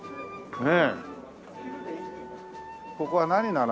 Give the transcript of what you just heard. ねえ。